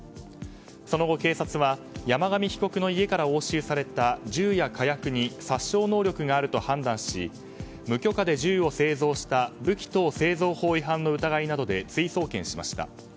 その後、警察は山上被告の家から押収された銃や火薬に殺傷能力があると判断し無許可で銃を製造した武器等製造法違反の疑いなどで追送検しました。